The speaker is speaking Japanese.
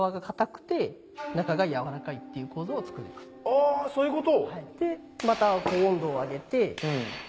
あそういうこと。